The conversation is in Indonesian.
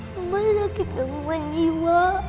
mama sakit kemampuan jiwa